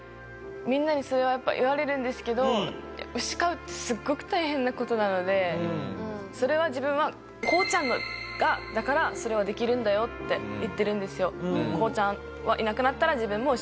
みんなにそれはやっぱ言われるんですけど牛飼うってすっごく大変な事なのでそれは自分はこうちゃんだからそれはできるんだよって言ってるんですよ。とは伝えてます。